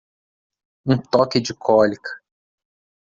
Um toque de cólica.